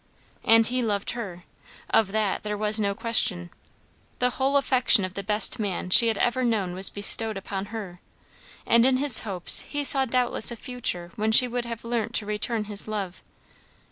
And he loved her; of that there was no question; the whole affection of the best man she had ever known was bestowed upon her, and in his hopes he saw doubtless a future when she would have learnt to return his love.